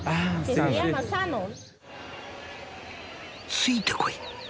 「ついてこい」。